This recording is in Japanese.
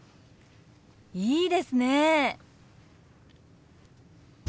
いいですね！